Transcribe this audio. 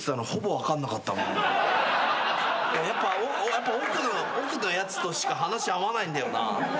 やっぱ奥のやつとしか話合わないんだよな。